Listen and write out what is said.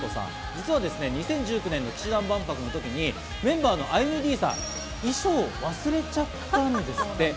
実は２０１９年の氣志團万博の時にメンバーのアユニ・Ｄさん、衣装を忘れちゃったんですって。